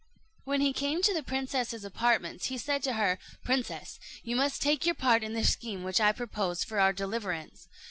When he came into the princess's apartments, he said to her, "Princess, you must take your part in the scheme which I propose for our deliverance.